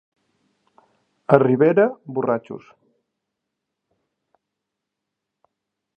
A Ribera, borratxos.